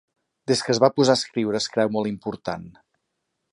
Des que es va posar a escriure es creu molt important.